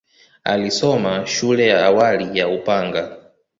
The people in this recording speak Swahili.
Alisoma shule ya awali ya Upanga.